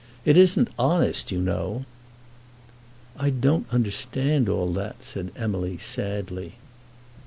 It isn't honest, you know." "I don't understand all that," said Emily sadly.